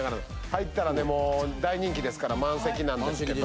入ったらね大人気ですから満席なんですけど。